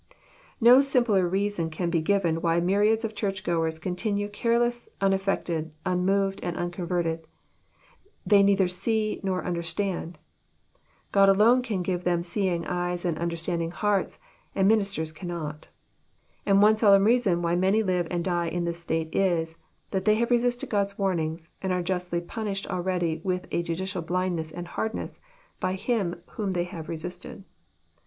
No simpler reason can be given why myriads of church goers continue careless, unaffected, un moved, and unconverted: they neither "see" nor "under stand." God alone can give them seeing eyes and understanding hearts, and ministers cannot. And one solemn reason why many live and die in this state is, that tbey have resisted God*s warnings, and are Justly punished already with a Judicial blind ness and hardness, by Him whom they have resisted.